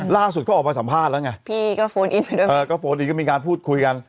ล่าสุดก็ออกมาสัมภาษณ์แล้วไงพี่ก็โฟนอินไปด้วยเออก็โฟนอินก็มีการพูดคุยกัน